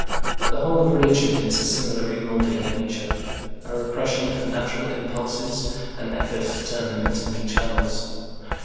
The whole of religion is a similar remolding of nature, a repression of natural impulses, an effort to turn them into new channels.